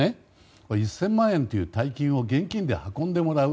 １０００万円という大金を運んでもらう。